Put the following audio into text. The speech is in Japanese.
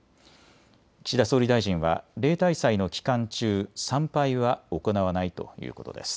岸田総理大臣は例大祭の期間中、参拝は行わないということです。